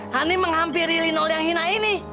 hani menghampiri linol yang hina ini